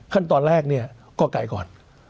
ขั้นตอนแรกเนี่ยก็ไกลก่อน